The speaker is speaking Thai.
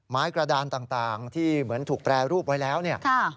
กระดานต่างที่เหมือนถูกแปรรูปไว้แล้วเนี่ย